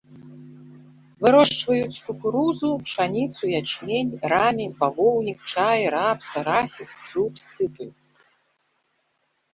Вырошчваюць кукурузу, пшаніцу, ячмень, рамі, бавоўнік, чай, рапс, арахіс, джут, тытунь.